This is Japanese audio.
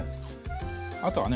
あとはね